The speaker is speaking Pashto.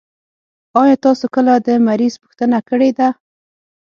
آيا تاسو کله د مريض پوښتنه کړي ده؟